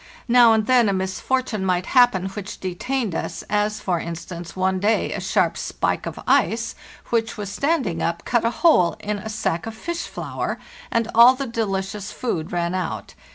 Now and then a misfortune might happen which detained us, as, for instance, one day a sharp spike of ice which was standing up cut a hole in a sack of fish flour, and all the delicious food ran out.